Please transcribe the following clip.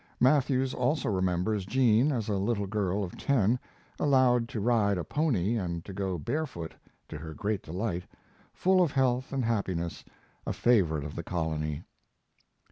Matthews also remembers Jean, as a little girl of ten, allowed to ride a pony and to go barefoot, to her great delight, full of health and happiness, a favorite of the colony.